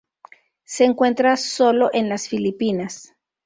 Se encuentra sólo en las Filipinas.